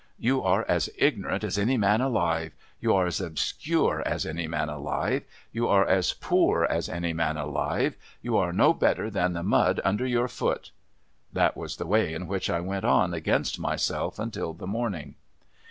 ' You are as ignorant as any man alive ; you are as obscure as any man alive ; you are as poor as any man alive ; you are no better than the mud under your foot.' That was the way in which I went on against myself until the morning.